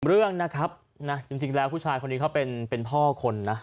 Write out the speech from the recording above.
เรื่องนะครับจริงแล้วผู้ชายคนนี้เขาเป็นพ่อคนนะ